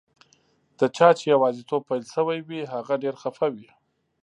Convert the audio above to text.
د چا چي یوازیتوب پیل شوی وي، هغه ډېر خفه وي.